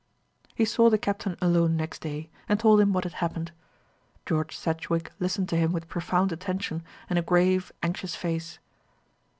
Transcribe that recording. He saw the Captain alone next day, and told him what had happened. George Sedgewick listened to him with profound attention and a grave anxious face.